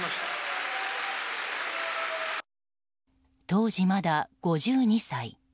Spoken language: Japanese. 当時まだ５２歳。